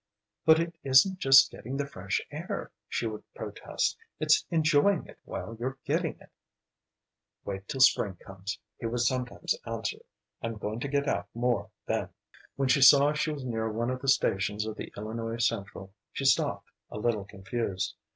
"But it isn't just getting the fresh air," she would protest, "it's enjoying it while you're getting it." "Wait till spring comes," he would sometimes answer. "I'm going to get out more then." When she saw she was near one of the stations of the Illinois Central she stopped, a little confused.